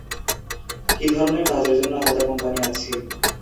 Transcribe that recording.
কি ধরণের কাজের জন্য আলাদা কোম্পানি আছে?